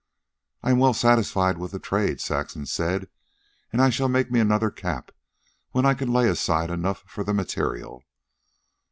"I am well satisfied with the trade," Saxon said. "And I shall make me another cap when I can lay aside enough for the material."